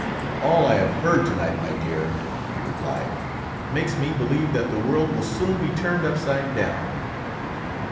"All I have heard to night, my dear," he replied, "makes me believe that the world will soon be turned upside down."